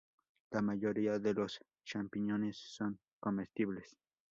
La mayoría de los champiñones son comestibles.